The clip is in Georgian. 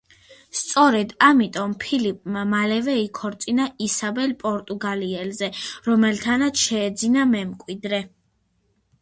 სწორედ ამიტომ, ფილიპმა მალევე იქორწინა ისაბელ პორტუგალიელზე, რომელთანაც შეეძინა მემკვიდრე.